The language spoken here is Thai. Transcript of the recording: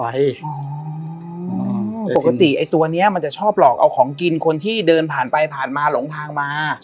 ปกติไอ้ตัวนี้มันจะชอบหลอกเอาของกินคนที่เดินผ่านไปผ่านมาหลงทางมา